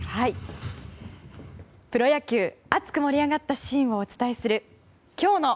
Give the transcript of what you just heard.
プロ野球熱く盛り上がったシーンをお伝えする、今日の。